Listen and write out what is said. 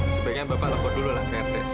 sebaiknya bapak lapor dulu lah ke rt